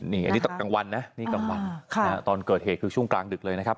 นี่นี่ขตรงกลางวันนะตอนเกิดเหตุคือชุ่นกลางดึกเลยนะครับ